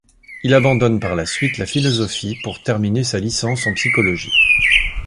Il abandonne par la suite la philosophie pour terminer sa licence en psychologie.